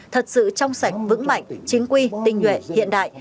thật sự trong sảnh vững mạnh chính quy tinh nguyện hiện đại